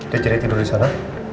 dia jadi tidur di sana